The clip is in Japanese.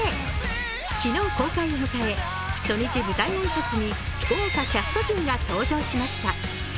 昨日公開を迎え、初日舞台挨拶に豪華キャスト陣が登場しました。